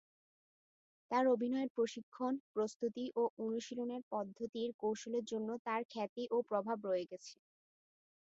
তার অভিনয়ের প্রশিক্ষণ, প্রস্তুতি, ও অনুশীলনের পদ্ধতির কৌশলের জন্য তার খ্যাতি ও প্রভাব রয়ে গেছে।